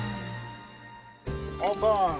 オープン。